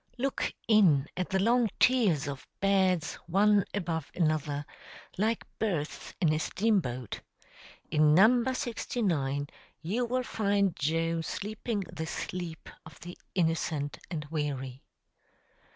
] Look in at the long tiers of beds one above another, like berths in a steam boat. In number 69 you will find Joe sleeping the sleep of the innocent and weary.